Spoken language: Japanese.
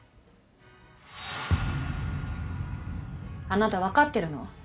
あなた分かってるの？